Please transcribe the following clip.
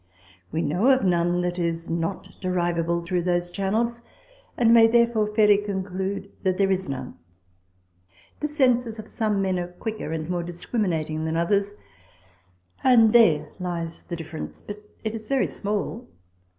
We know of none that is not derivable through those channels, and may therefore fairly conclude there is none. The senses of some men are quicker and more discriminating than others ; and there lies the difference, but it is very small.